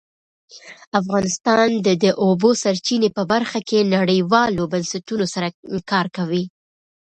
افغانستان د د اوبو سرچینې په برخه کې نړیوالو بنسټونو سره کار کوي.